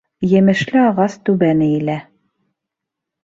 Емешле ағас түбән эйелә.